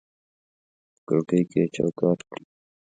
په کړکۍ کې یې چوکاټ کړي